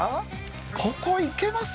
ここ行けます？